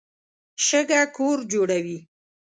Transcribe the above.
شګه کور جوړوي.